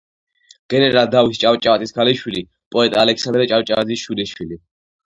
გენერალ დავით ჭავჭავაძის ქალიშვილი, პოეტ ალექსანდრე ჭავჭავაძის შვილიშვილი.